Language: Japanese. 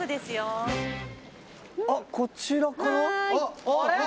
「あっこちらかな？」